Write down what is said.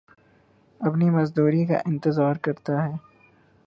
اپنی مزدوری کا انتظار کرتا ہے